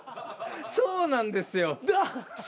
そうなんですよ。